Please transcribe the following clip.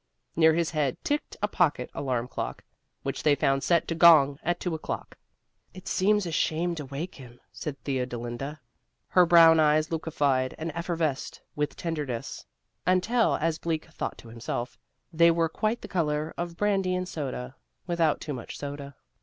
Near his head ticked a pocket alarm clock, which they found set to gong at two o'clock. "It seems a shame to wake him," said Theodolinda. Her brown eyes liquefied and effervesced with tenderness, until (as Bleak thought to himself) they were quite the color of brandy and soda, without too much soda.